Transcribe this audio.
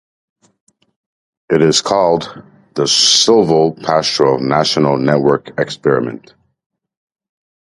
It is called The Silvopastoral National Network Experiment.